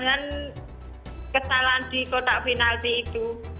dan kesalahan di kotak finali itu